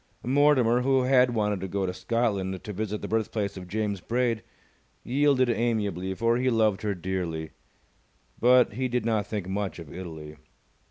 Mortimer, who had wanted to go to Scotland to visit the birthplace of James Braid, yielded amiably, for he loved her dearly. But he did not think much of Italy.